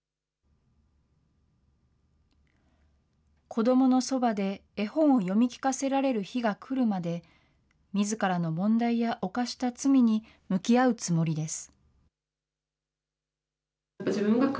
子どものそばで絵本を読み聞かせられる日が来るまで、みずからの問題や犯した罪に向き合うつもりです。